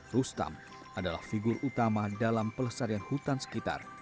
rustam adalah figur utama dalam pelestarian hutan sekitar